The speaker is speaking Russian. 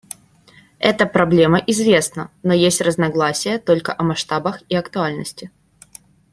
Это проблема известна, но есть разногласия только о масштабах и актуальности.